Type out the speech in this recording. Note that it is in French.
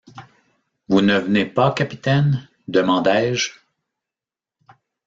Vous ne venez pas, capitaine? demandai-je.